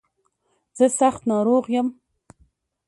زه سخت ناروغ يم.